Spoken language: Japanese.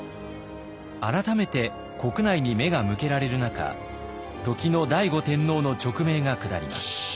改めて国内に目が向けられる中時の醍醐天皇の勅命が下ります。